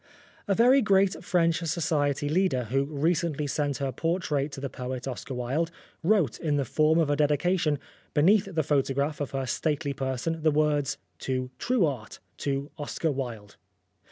A very great French Society leader, who recently sent her portrait to the poet Oscar Wilde, wrote, in the form of a dedication, beneath the photograph of her stately person, the words :" To true art To Oscar Wilde."